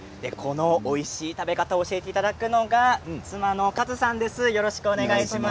おいしい食べ方を教えていただくのが妻のかずさんです。